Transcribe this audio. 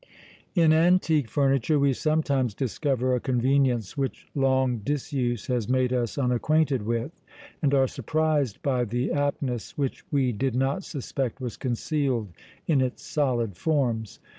In antique furniture we sometimes discover a convenience which long disuse had made us unacquainted with, and are surprised by the aptness which we did not suspect was concealed in its solid forms.